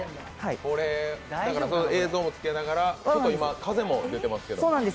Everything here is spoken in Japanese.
映像もつけながら、今、風も出てますけど。